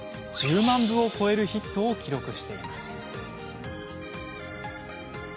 １０万部を超えるヒットを記録しています。